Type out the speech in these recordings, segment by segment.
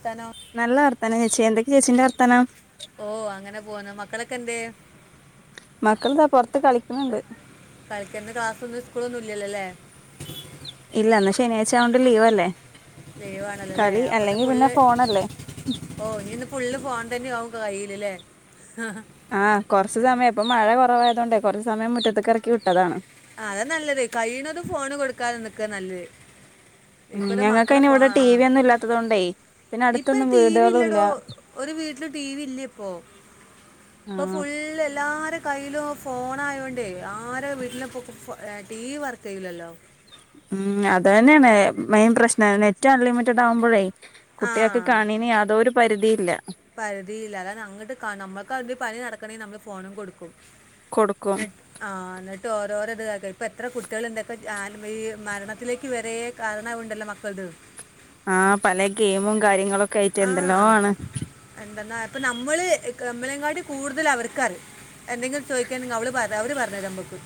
ത്താനോ നല്ല വർത്താനം ചേച്ചി എന്തൊക്കെ ചേച്ചിന്റെ വർത്താനം ഓ അങ്ങനെ പോന്ന് മക്കളൊക്കെ എന്ത് മക്കൾതാ പൊർത്ത് കളിക്കുന്നുണ്ട് കളിക്കന്റെ ക്ലാസ്സൊന്നും സ്കൂളൊന്നും ഇല്ലല്ലല്ലേ ഇല്ലാ ഇന്ന് ശനിയാഴ്ച്ച ആ കൊണ്ട് ലീവല്ലെ ലീവാണല്ലോല്ലേ അപ്പൊന്ന് ഫുള്ള് ഫോണല്ലേ ഓ നി ഇന്ന് ഫുള്ള് ഫോൺ തന്നെയാവും കയ്യിയിലല്ലേ ആഹ് കുറച്ചു സമയം ഇപ്പൊ മഴ കുറവായതുകൊണ്ടേ കുറച്ച് സമയം മുറ്റത്ത്ക്ക്റക്കി കിട്ടതാണ് അതാ നല്ലത് കയ്യിണതും ഫോണ് കൊടുക്കാതേക്കാ നല്ലത് ഉം ഇപ്പത്തെ മക്കളെ ഞങ്ങൾക്കയിന് ഫോ ഇവിടെ ആ. ടി വി ഒന്നും ഇല്ലാത്തത് കൊണ്ടേയ് പിന്നെ ഇപ്പൊ അടുത്തൊന്നും ടി വി വീടുകളുംല്ല ഇല്ലടോ ഒരു വീട്ടിൽ ടി വി ഇല്ല ഇപ്പോ ഇപ്പൊ ആഹ് ഫുള്ള് എല്ലാര കയ്യിലോ ഫോണ ആയോണ്ടേ ആര വീട്ടിലൊ ടി വി വർക്ക് ചെയ്യൂലല്ലോ ഉം അത് തന്നെണ് മെയിൻ പ്രശ്നം നെറ്റ് അൺലിമിറ്റഡ് ആവുമ്പഴേ കുട്ടികൾക്ക് ആ കാണീന് യാതോരു പരിധിയില്ല പരിധിയില്ല അതാണ്‌ അങ്ങട്ട് [unintelligible] നമ്മൾ പണി നടക്കണെ നമ്മള് ഫോണും കൊടുക്കും കൊടുക്കും ആഹ് എന്നിട്ട് ഓരോരത- ഇപ്പ എത്ര കുട്ടികള്ണ്ട് [unintelligible] മരണത്തിലേക്ക് വരേ കാരണാവുണ്ടല്ലോ മക്കളത് ആപല ഗെയിമും കാര്യങ്ങളൊ ആഎന്തെന്നാ ഇപ്പ നമ്മള് [unintelligible] നമ്മളേങ്ങാട്ടി കൂടുതല് അവർക്കറിയാം എന്തെങ്കിലും ചോദിക്കാനെങ്കി അവള് പറ അവര് പറഞ്ഞത് തരും നമ്മക്ക്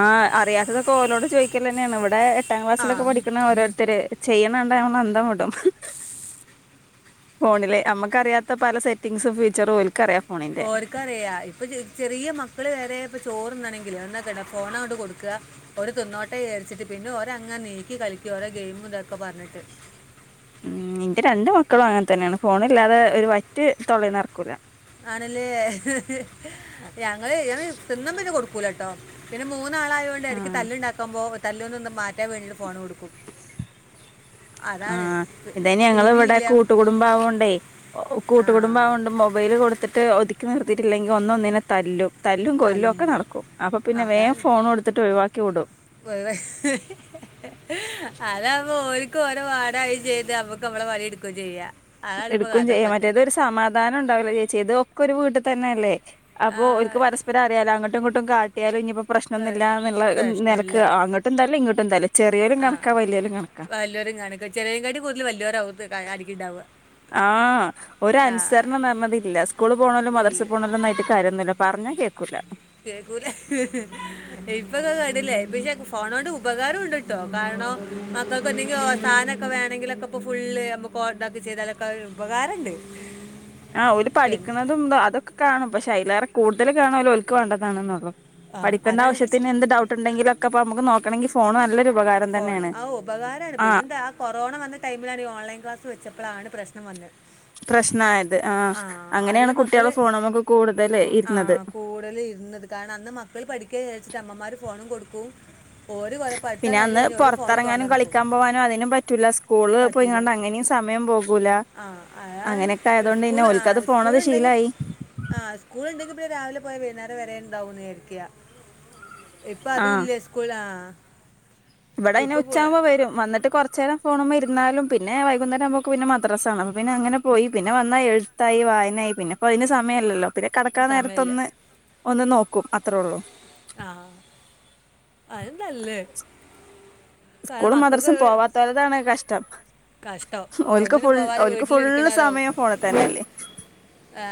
ആഹ് അറിയാത്തതൊക്ക [unintelligible] ചോദിക്കല് തന്നെയാണ് ഇവടെ എട്ടാം ആ ക്ലാസ്സിലൊക്കെ പഠിക്കുന്ന ഓരോരുത്തരെ ചെയ്യണ കണ്ട [unintelligible] അന്തം വിടും ഫോണിലെ നമ്മക്കറിയാത്ത പല സെറ്റിംഗ്സും ഫീച്ചറും ഓല്ക്കറിയാം ഓര്ക്കറിയാ ഇപ്പ ചെറിയ മക്കള് വരെ ഇപ്പ ചോറ് [unintelligible] [unintelligible] [unintelligible] ഫോണ് [unintelligible] കൊടുക്ക്‌ക ഒരു തിന്നോട്ടെ വിചാരിച്ചിട്ട് പിന്നും ഓര് [unintelligible] [unintelligible] കളിക്കും ഓരോ ഗെയിമും ഇതക്ക പറഞ്ഞിട്ട് ഉം ഇന്റെ രണ്ട് മക്കളും അങ്ങനെ തന്നെയാണ് ഫോണില്ലാതെ ഒരു വറ്റ് തൊളേന്ന് [unintelligible] ആണല്ലേ ഞങ്ങള് തിന്നമ്പഴ് കൊടുക്കൂലട്ടോ പിന്ന മൂ [unintelligible] ആളായോണ്ട് എടക്ക് ആഹ് തല്ലുണ്ടാക്കമ്പോ തല്ല്ലൊന്ന് മാറ്റാൻ വേണ്ടിട്ട് ഫോൺ കൊടുക്കും അതാണ് ആഹ് ഇതേന്ന്യ ടി ഞങ്ങള് വിയും ഇവടെ ഇല്ല കൂട്ട് കുടുംബ ആവോണ്ടേ ആ കൂട്ടുകടുംബ ആവോണ്ട് മൊബൈല് കൊടുത്തിട്ട് ഒതുക്കി നിർത്തിയിട്ടില്ലെങ്കി ഒന്ന് ഒന്നിനെ തല്ലും തല്ലും കൊല്ലും ഒക്ക തല്ലു നടക്കും അപ്പൊ പിന്നെ വേം ഫോണ് കൊടുത്തിട്ട് ഒഴിവാക്കി വിടും [unintelligible] അതാ അപ്പൊ, ഓരിക്ക്, ഓരോ, വാടായി, ചെയ്ത്, നമ്മക്ക് നമ്മള, പണി, എടുക്കൂം, ചെയ്യാ എടുക്കയും ചെയ്യാം മറ്റേത ഒരു എടുക്കും ചെയ്യ മറ്റെത്‌ ഒറു സമാധാനം ഉണ്ടാവില്ല ചേച്ചി ഇതൊക്കെ ഒരു വീട്ടിൽ തന്നെ അല്ലേ? ആ, അപ്പോ ഓൽക്ക് പരസ്പരം അറിയാലോ? അങ്ങോട്ടും ഇങ്ങട്ടും കാട്ടിയാലും ഇഞ്ഞ് ഇപ്പൊ ക- പ്രശ്നൊന്നുല്ല എന്നുള്ള നിലക്ക് അങ്ങോട്ടും തല്ലു ഇങ്ങോട്ടും തല്ല് ആഹ് വല്ലോരും കാണിക്കും ചെറിയാലകാട്ടിൽ കൂടുതൽ വലിയോർ ആവും ഇത് കാണിക്കുന്നുണ്ടാവുക ആ ഒരനുസരണം അറഞ്ഞത് ഇല്ല സ്ക്കൂളിൽ പോണലും ഇല്ല മദ്രസ്സിൽ പോണലുംമൊന്നായിട്ടും കാര്യം ഒന്നുല്ല പറഞ്ഞാ കേൾക്കൂല കേൾക്കൂല [unintelligible] പക്ഷെ ഫോൺ കൊണ്ട് ഉപകാരവും ഉണ്ട് ട്ടോ ആണോ മക്കൾക്ക് എന്തെങ്കിലും [unintelligible] സാധനൊക്കെ വേണെങ്കിലൊക്കെ ഇപ്പോ ഫുള്ള് [unintelligible] ചെയ്താലൊക്കെ ഉപകാരം ണ്ട് ആ ഓല് പഠിക്കണതും അതൊക്കെ കാണും പക്ഷെ അതിലെറെ കൂടുതൽ കാണുക ഓൽ ഓൽക്ക് വേണ്ടതാണുന്നൊള്ളൂ ആ പഠിക്കണ്ട അതാണ് പക്ഷെ ആവശ്യത്തിന് എന്ത് ഡൗട്ട് ഉണ്ടെങ്കിൽ ലൊക്ക നമുക്ക് നോക്കണെങ്കിൽ ഫോണ് നല്ലൊരു ഉപകാരം ഫോൺ തന്നെയാണ് ആ ഉപകാരമാണ് ആഹ് പിന്നെ എന്ത ആ കൊറോണ വന്ന ടൈമിലാണ് ഓൺലൈൻ ക്ലാസ് വ ച്ചപ്പോളാണ് പ്രശ്നം വന്നത് പ്രശ്നായത് ആ ആഹ് അതിൽ അങ്ങനെയാണ് കുട്ടികളെ മക്കള് ഫോണ നമ്മക്ക് കൂടുത ആ കൂടുൽ ഇരുന്നത് കാരണം അന്ന് മക്കൾ പഠിക്ക വിചാച്ചിട്ട് അമ്മമാര് ഫോണും കൊടുക്കും [unintelligible] പിന്നെ അന്ന് പുറത്തിറങ്ങാനും പിന്നെ കഴിഞ്ഞാൽ അന്ന് ഒരു പുറത്ത് ഫോണിൽ തോണ്ട അറങ്ങാനും നിൽക്കും കളിക്കാൻ പോകാനും അതിനും പറ്റൂലസ്കൂള് പറ്റൂല പോയിങ്ങാണ്ട് അങ്ങനെയും സമയം പോകൂ ആ അ സ്കൂൾ ആ ഓൽക്കത് സ്കൂൾ ഫോണത് ഉണ്ടെങ്കിൽ ശീലായി ആ സ്കൂള ഉണ്ടെങ്കിൽ ഇപ്പൊ രാവിലെ പോയ വൈകുന്നേരം വരണ്ടാവുന്ന് വിയരിക്ക ഇപ്പൊ അതും ആഹ് ഇല്ല സ്കൂള- ഇവിടെ അയിന് ഉച്ചാകുമ്പോ വരും വന്നിട്ട് കുറച്ചേരം ഫോണും ഇരു എന്നാലും പിന്നെ വൈകുന്നേരം ആകുബൊക്ക് പിന്നെ മദ്രസ്സാണ് അപ്പോ പിന്നെ അങ്ങനെ പോയി പിന്നെ വന്നാൽ പിന്നെ എഴുത്തായി വായനയായി പിന്നെപ്പോ അതിന് സമയല്ലല്ലോ പിന്നെ കടക്കാൻ സമയമില്ല നേരത്തൊന്ന് ഒന്ന് നോക്കും അത്രേ ഒള്ളൂ ആ അത് നല്ലത് സ്കൂളും മദ്രസും പോവാത്തോലതാണ് കഷ്ടം കഷ്ടം ഓൽക്ക് ഒന്നിനും ഫുൾ പോവാതെ ഓൽക്ക് ഫുള്ള് വീട്ടിലിരിക്കണവരാവും സമയം ഫോണ് തന്നെല്ലേ ആ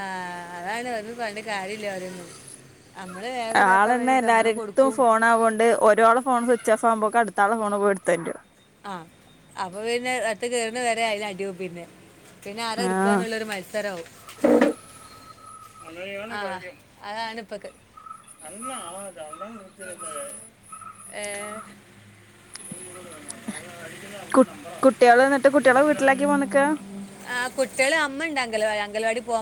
അതാണ്‌ ഒരൊണ്ട് പറഞ്ഞിട്ട് കാര്യല്ല ഒരൊന്നും ആളന്നെ എല്ലാരെരുത്തും ഫോൺ ആവോണ്ട് ഒരാള് ഫോൺ സ്വിച്ച് ഓഫ് ആവുമ്പോക്കെ അടു അടുത്താള് ഫോണ് പോയിടുത്തൊണ്ടുരും ആ അപ്പൊ പിന്നെ അടുത്തെ കേറ്ണ വരെ അയില് അടിയാവും പിന്നെ പിന്നെ ആര ആഹ് ഇട്ക്കാന്നുള്ളൊരു മത്സരാവും ആ അതാണിപ്പത് ഏ കു കുട്ട്യാള് ആ കുട്ടികള് അമ്മ ണ്ട് അംഗലവാടി അംഗൽവാടി പോക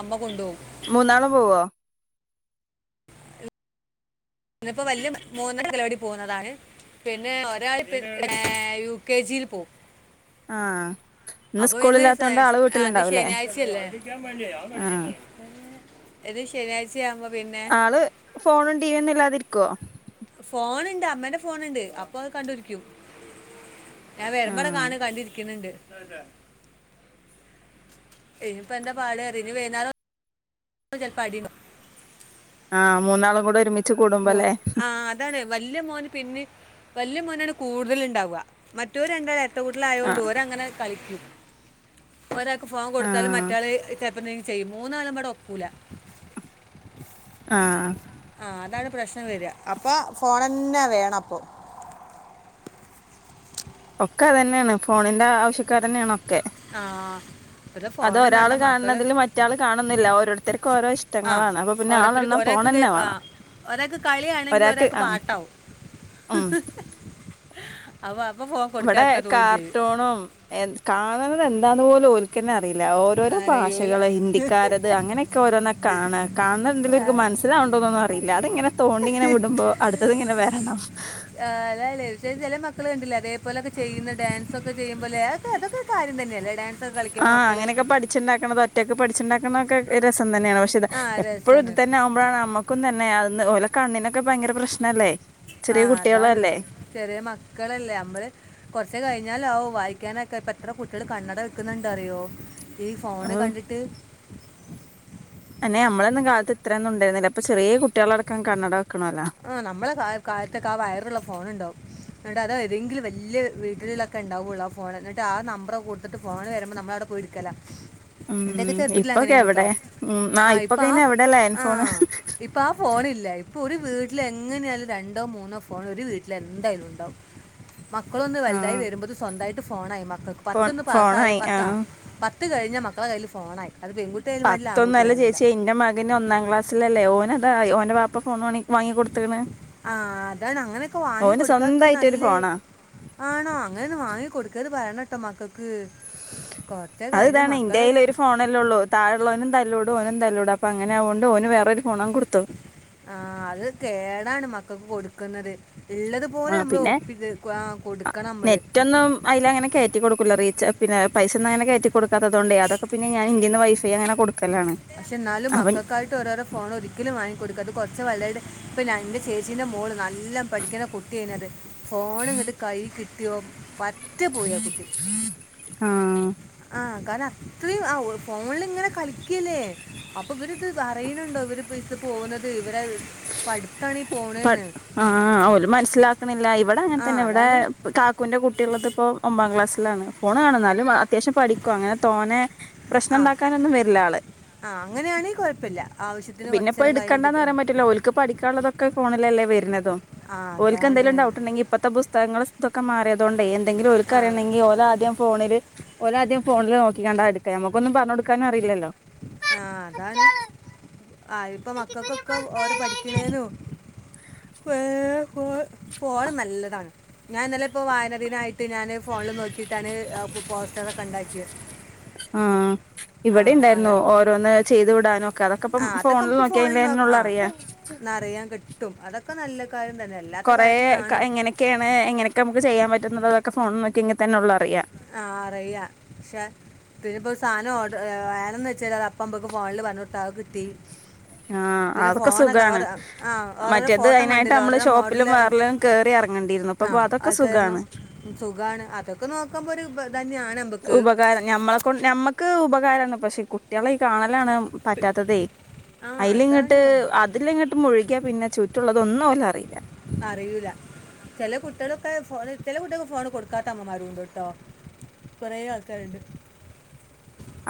അമ്മ കൊണ്ടുപോകും മൂന്നാളും പോവോ ഇന്നിപ്പോ വല്യ മൂന്നാളും അംഗലവാടി പോകുന്നതാണ് പിന്നെ ഒരാൾ ഏ യു കെ ജിൽ പോകും ആ അപ്പൊ ഇന്ന് ആ ശനിയാഴ്ചയല്ലേ ആഹ് എത് ശനിയാഴ്ച്ച ആള് ഫോണും ടി വി ഒന്നും ഇല്ലാതിരിക്കോ ഫോണ് ണ്ട് അമ്മേന്റെ ഫോണുണ്ട്. അപ്പൊ അത് കണ്ട് ഇരിക്കും. ഞാൻ വെരുംബടെ ആഹ് കാണ കണ്ടിരിക്ക്ണ് ണ്ട്. ഇനിപ്പ എന്താ പാട് അറീല ഇനി വൈന്നേരം വന്ന ചെലപ്പോ അടിണ്ടാകും. ആഹ് മൂന്നാളും കൂടെ ഒരുമി - മോൻ ആ അതാണ് വല്യ മോന് പിന്നിം വല്യ മോനാണ് കൂടുതല്ണ്ടാവ്വ മറ്റൊര് രണ്ടാളും എരട്ടകുട്ട്യാളായൊണ്ട് ആഹ് ഓരങ്ങനെ കളിക്കും. ഒരാക്ക് ഫോൺ കൊടുത്താലും ആഹ് മറ്റാള് ചെലപ്പോന്തെങ്കിലും ചെയ്യും മൂന്നാളും കൂടെ ഒക്കൂല. ആ അ ആ അതാണ് പ്രശ്നം വര അപ്പ ഫോണന്നെ വേണം അപ്പൊ ഒക്കെ അത് തന്നെയാണ് ഫോണിന്റെ ആവശ്യക്കാരന്നെ ആണോ? ആഹ് അത് ഒരാൾ കാണണതിൽ മറ്റാൾ കാണുന്നില്ല. ഓരോരുത്തർക്കും ഓരോ ആ ഇഷ്ടങ്ങളാണ് അപ്പൊ പിന്നെ ഓരോരുത്തർക്ക് ആളെണ്ണം ഫോ ഒരാൾക്ക് ആ ഒരാൾക്ക് കളിയാണെങ്കി ഒരാക്ക് പാട്ടാവും. ഹ് ഉം ഹിഹി ഇവിടെ കാർട്ടൂണും എ കാണണത് എന്താന്ന് പോലും ഓൽക്കന്നെ അ - റീല ഓരോരോ അറിയൂല ഭാഷകള് ഹിന്ദിക്കാരത് അങ്ങനെയൊക്കെ ഓരോന്ന കാണ കാണുന്നതെന്തേലും ഓര്ക് മനസ്സിലാവ ണ്ടോന്നൊന്നും അറിയില്ല അത്ങ്ങനെ തോണ്ടിങ്ങനെ വിടുമ്പോ അടുത്തത് ഇങ്ങനെ വരണം. ഹിഹി മക്കൾ കണ്ടില്ലേ അതേപോലൊക്കെ ചെയ്യുന്ന ഡാൻസ് ഒക്കെ ചെയ്യുമ്പോലെ അതെ അതൊക്കെ കാര്യം തന്നെയല്ലേ. ഡാൻസ് ഒക്കെ കളിക്കുമ്പോൾ ആഹ് മക്കള് അങ്ങനെയൊക്കെ പഠിച്ചിണ്ടാക്കണത് ഒറ്റക്ക് പഠിച്ചിണ്ടാക്കണ ഒക്കെ റിസ തന്നെയാണ് പക്ഷെ ഇത് ആ എപ്പോഴും ഇത് രസാണ് തന്നെ ആവുമ്പോഴാണ് നമ്മുക്കും തന്നെ ഓലെ കണ്ണിനോക്കെ ഭയങ്കര പ്രശ്നല്ലേ. ആഹ് അതാണ് അല്ലേ ചെറിയ മക്കളല്ലേ. നമ്മള് കൊറച്ച് കഴിഞ്ഞാലാവും വായി ക്കാനക്കെ എത്ര കുട്ടികള് കണ്ണട വെക്കുന്നുണ്ട് അറിയോ ഈ ഫോണ് കണ്ടിട്ട്. [inaudible] അയ്ന് നമ്മളൊന്നും കാലത്ത് ഇത്രയന്നും ഉണ്ടാരുന്നില്ല ഇപ്പൊ ചെറിയ കുട്ടികളടക്കം കണ്ണട വെക്കണല്ലോ ആ നമ്മളെ കാലത്തൊക്കെ ആ വയറുള്ള ഫോണുണ്ടാവും ന്നി ട്ട് അതേതെങ്കിലും വല്യ വീട്ടിലൊക്കെ ഉണ്ടാവൊള്ളൂ ആ ഫോൺ എന്നിട്ട് ആ നമ്പറ് കൊടുത്തിട്ട് ഫോൺ വരുമ്പോ നമ്മളവിടെ പോയി ഇര്ക്കും. ചെല എന്റൊക്കെ ഉം ചെറുപ്പത്തില് ഇപ്പൊക്കെ അങ്ങനെയ്ന്നുട്ടോ എവിടെ ഉം ആ ഇപ്പൊ ഇപ്പൊക്കെ ആ ഇനി ഫോ എവിടെ ലാൻഡ് ഫോണ് ആഹ് ഇപ്പൊ ആ ഫോ ണില്ല ഇപ്പൊ ഒരു വീട്ടിൽ എങ്ങനെയാലും രണ്ടോ മൂന്നോ ഫോൺ ഒരു വീട്ടിൽ എന്തായാലും ഉണ്ടാവും. മക്കളൊന്ന് വലുതായി ആഹ് വരുമ്പോക്ക് സ്വന്തായിട്ട് ഫോണായി മക്കൾക്ക് ഫോ പത്തൊന്ന് പാസ്സായ ഫോണായി പത്ത ആഹ് പ ത്ത് കഴിഞ്ഞാ മക്കളെ കയ്യില് ഫോണായി. അത് പെൺകുട്ടിയായാലും വേണ്ടില്ല പത്തൊന്നല്ല ആൺകുട്ടിയായാലും ചേച്ചി വേണ്ടില്ല എന്റെ മകന് ഒന്നാം ക്ലാസ്സിലല്ലേ ഓന് ഫോണായി ഓൻ്റെ ബാപ്പ ഫോൺ വാണി വാങ്ങിക്കോട്ത്ത്ണ്. ആഹ് അതാണ് അങ്ങനൊക്കെ വാങ്ങി കൊടുക്കാക്ക സ്വന്തായിട്ടൊരു നല്ലേ ഫോണാ ആണോ അങ്ങനൊന്നും വാങ്ങി കൊടുക്കരുത് പറയണ അത് കഴിഞ്ഞ ഇതാണ് മക്കള് എന്റയ്യിൽ ഒരു ഫോണല്ലേ ഒള്ളു തായേള്ളോനും തല്ലുടു. അപ്പോനും താല്ലൂടാ അപ്പങ്ങനാവോണ്ട് ഓന് വേറൊരു ഫോണങ് കൊട്ത്തു. ആഹ് അത് കേടാണ് മക്കക്ക് കൊടുക്കുന്നത്. ആ ഉള്ളതുപോലെ നമ്മൾ പിന്നെ ഒപ്പിത് ആ, കൊടുക്കണം നമ്മള് നെറ്റൊന്നും അയിലങ്ങനെ കേറ്റി കൊടുക്കൂല റി പിന്നെ പൈസ ഒന്നും അങ്ങനെ കേറ്റികൊടക്കാത്തതോണ്ട് അതൊക്കെ പിന്നെ ഞാൻ ഇന്റീന്ന് വൈഫൈ അങ്ങനെ കൊടുക്കും. ഷേ ന്നാലും മക്കക്കായിട്ട് ഓരോരോ ഫോൺ ഒരിക്കലും വാങ്ങി കൊടുക്കരുത്. പ്പ ന്റെ ചേച്ചീടെ മോള് നല്ല പേടിക്കണ കുട്ടിയെന്നു അത് ഫോൺ ങ്ങട്ട് കയ്യ് കിട്ടിയോ പറ്റപോയത്. ആഹ് ആ കാരണം അത്രയും ആ ഫോണിൽ ഇങ്ങനെ കളിക്കല്ലേ അപ്പൊ ഇവര് പറയുന്നുണ്ടോ ഇവര് പൈസ പോകുന്നത്. ഇവരെ പഠിത്താണി പോവണെന്ന്. പിന്ന ഇവിടെ അങ്ങനെ തന്നെ ഇവിടെ കാക്കുന്റെ കുട്ടിയുള്ളത് ഇപ്പോ ഒമ്പാം ക്ലാസ്സിലാണ്. ഫോണ് കാണുന്നാലും അത്യാവശ്യം പഠിക്കും. അങ്ങനെ തോനെ പ്രശ്നം ണ്ടാക്കാനൊന്നും വരില്ല ആള്. ആഹ് അങ്ങനെയാണേ കൊഴപ്പില്ല. പിന്നെ ഇപ്പോ എടുക്കണ്ടാന്ന് റയാൻ പറ്റില്ല ഓല്ക്ക് പഠിക്കാള്ളതൊക്കെ ഫോണിലല്ലേ വരുന്നതും. ആ ഓല്ക്ക് അതാണ് എന്തെലും ഡൗട്ട് ണ്ടെങ്കിൽ ഇപ്പത്തെ പുസ്തകങ്ങളു [unintelligible] മാറിയതോണ്ട് എന്തെങ്കിലും ആ ഓൽക്കറിയണെങ്കിൽ ഓലദ്യം ഫോണില് ഓലാദ്യം ഫോണിൽ നോക്കിക്കാണ്ട എട്ക്ക്‌ ഞമ്മക്കൊന്നും പറഞ്ഞോട്ക്കാനാറീലല്ലോ ആ അതാണ്. ആ ഇപ്പൊ മക്കൾക്കൊക്കെ ഓര് പഠിക്ക്‌ണേനു. ഫെ ഫോണ് ഫോണ് നല്ലതാണ് ഞാനിന്നലെ പ്പോ വായനദിന- ത്തിന് ഞാന് ഫോണില് നോക്കിയിട്ടാണ് പോസ്റ്ററൊക്കെ ഇ ണ്ടാക്കിയത്. ഇവിടെണ്ടായിരുന്നു ഓരോന്ന് ചെയ്ത് വിടാനു. ആ അതൊക്കെ നമുക്ക് ഫോണിൽ നോ ആ അറിയാ ന്നറിയാൻ കിട്ടും അതൊക്കെ നല്ല കാര്യ കൊറെ ക്ക എങ്ങനെക്കെയാണ് എങ്ങനൊക്കെ നമുക്ക് ചെയ്യാൻ പറയുന്നതൊക്കെ ഫോണിൽ നോക്കിയെങ്കി തന്നേയുള്ളു അറി. ആ അറിയ പക്ഷെ ഇതിലിപ്പോ സാനം ഓ- ഏ വേണന്നു വെച്ച അത് അപ്പൊ നമ്മക്കത് ഫോണിൽ പറഞ്ഞൊട്ത്താ അയ് കിട്ടി. ആ പിന്നെ അതൊക്കെ ഫോണൊക്കെ സുഖാണ് ഓരോ ആ ഓരോരോ മറ്റേത് ഫോട്ടോ അയിനായിട്ട് കണ്ടില്ല നമ്മള് ഓരോരോ മോഡൽ ഷോപ്പിലും ആ വേറെല്ലേലും കേറി എർ ഇറങ്ങണ്ടീര്ന്നു ഇപ്പപ്പതൊക്കെ സുഖാണ്. സുഖാണ് അതൊക്കെ നോക്കുമ്പോ ഒരു ബ തന്നെയാണ് നമ്മക്ക്. ക്ക് ഉപകാരാണ്. പക്ഷെ കുട്ടിളെ ഈ കാണലാണ് പറ്റാത്തതേ. ആ അതാണ് അയിലിങ്ങട്ട് വ- അതിലിങ്ങട്ട് മുഴുകിയ പിന്നെ ചുറ്റുള്ളതൊന്നും ഓലറീല. ചെല കുട്ടിളൊക്കെ ഫോണിൽ ചെല കുട്ട്യാൾക്ക് ഫോണ് കൊടുക്കാത്തമ്മമാര് ണ്ട്ടോ. കൊറെ ആൾക്കാര്ണ്ട്.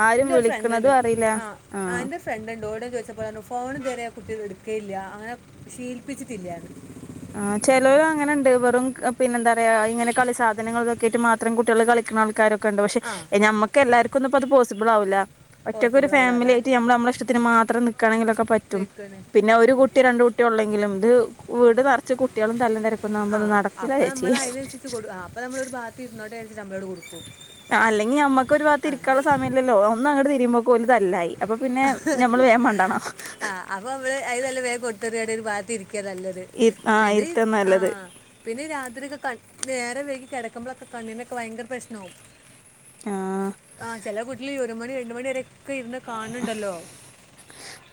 ആരും ഇന്റൊരു ഫ്രണ്ട് ണ്ട് വിളിക്കണതും അറിയില്ല ആ ആഹ് ഇന്റൊരു ഫ്രണ്ട്ണ്ട് ഓളോട് ഞാൻ ചോയ്ച്ചപ്പോ ഓൾ പറഞ്ഞു ഫോണ് ഇതുവരെ ആ കുട്ടി എട് ഒക്കെ ഇല്ല അങ്ങനെ ശീലപ്പിച്ചിട്ടില്ലാന്ന് ആ ചേലോൽ അങ്ങനെണ്ട് വെറും പിന്നെന്താ പറയാ ഇങ്ങനെ കളി സാധനങ്ങളൊക്കെറ്റ് മാത്രം കുട്ട്യാൾ കളി- ആൾക്കാരൊക്കെണ്ട് പക്ഷെ ആ ഞമ്മക്കെലാർക്കൊന്നും പ്പത് പോസ്സിബിൾ ആവുല. ഒറ്റക്കൊരു പോസിബിൾ ആവില്ല ഫാമിലി അതാണ് ആയിട്ട് ഞമ്മള് മ്മളെ ഇഷ്ടത്തിന് മാത്രം നിക്ക്‌ എന്തെങ്കിലും ഒക്കെ പറ്റും നിൽക്കുന്നത് പിന്നെ ഒരു കുട്ടി രണ്ട് കുട്ടി ഒള്ളെങ്കിലും ഇത് വീട് നെറച്ചു കുട്ട്യാൾ തല്ലും തെര ആ അപ്പ ഞമ്മൾ ആയിനനുസരിച്ച് കൊട് ആ അപ്പൊ ഞമ്മളൊരു ഭാത്ത് ഇരുന്നോട്ടെ പ്പ ഞമ്മളെങ്ങട് കൊടുക്കും. ക്കൊരു ഭാത്ത്‌ ആ ഇരിക്കാനുള്ള സമയല്ലല്ലോ ഒന്നങ്ങട്ട് തിരിയുമ്പോക് ഓല് തല്ലായി. അപ്പൊ പിന്നെ ഞമ്മള് വേം മണ്ടണ ആ അപ്പോൾ ക്കെ നല്ലത് പിന്നെ ഇ ഇരുത്തം ആ നല്ലത് പിന്നെ രാത്രിയൊക്കെ കട് നേരം വൈകി കെട നമ്മളൊക്കെ കണ്ണിനൊക്കെ വയങ്കര പ്രശ്നാവും. ആ ആ ചെല വീട്ടില് ഒരു മണി രണ്ട് മണി രെ ഒക്കെ ഇര്ന്ന് കാൺണ് ണ്ടല്ലോ.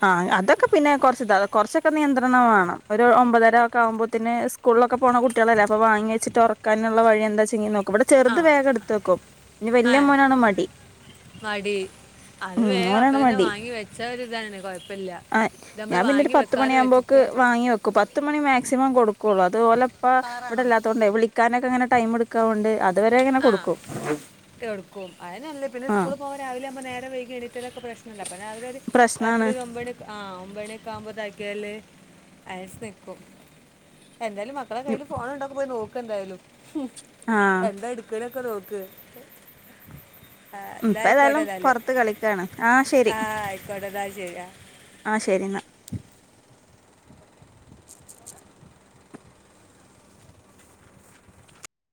ആ അതൊക്കെ പിന്നെ കുറച്ച്ത കുറച്ചൊക്കെ നിയന്ത്രണം വേണം ഒരു ഒമ്പതര ഒക്കെ ആവുമ്പോത്തിന് സ്കൂളിലൊക്കെ- പോണ കുട്ടികളല്ല അപ്പൊ വാങ്ങിയെച്ചിട്ട് ഒറക്കാനുള്ള വഴി എന്താച്ചെങ്കി നോ- ക്ക്‌ ഇവിടെ ആ ചെറുത് വേഗം എട്ത്ത് വെക്കും ഇന്റെ ആ വല്ല്യ മോനാ മടി. മടി അത് ഉം വേഗം അപ്പ തന്നെ വാങ്ങി വെച്ച ഒരു ഇതാണ് കൊഴ ആ ഞാൻ പിന്നെരു പത്ത് മണിയാകുമ്പോക്ക് വെച്ചിട്ട് വാങ്ങി വെക്കും പത്ത് മണി മാക്സിമം കൊടുക്കുള്ളു അത് ഓലെ ഇപ്പ കളറാണോ ഇവിടെല്ലാത്തോണ്ടേ വിളിക്കാനൊക്കെ ങ്ങനെ ടൈം എടുക്കാവൊണ്ട് ആ കേടുക്കും അതിനല്ലേ പിന്നെ ആഹ് സ്കൂള് പോവാ രാവില ആവുമ്പ നേരം വൈകി എണീറ്റലൊക്കെ പ്രശ്ന ല്ല അപ്പ രാവിലെ ഒരു രാത്രി പ്രശ്നാണ് ഒരു ഒമ്പേണിയൊക്കെ ആ ഒമ്പണിയൊക്കെ ആവുമ്പോ താക്കിയല് അയസ് നിക്കും എന്തായാലും മക്കളെ കയ്യിൽ ഫോണ് ഉണ്ടാന്ന് പോയി നോക്ക്‌ എന്തായാലും ഹും ആഹ് എന്താ എട് ക്ക്‌ണക്കെ നോക്ക് ആ അല്ല ഇപ്പ ഏതായാലും ആയിക്കോട്ടെന്നാല് പൊറത്ത് കളിക്കാണ് ആ ആയിക്കോട്ടെ എന്നാ ശെരി ആ ആ ശരി ഇന്നാ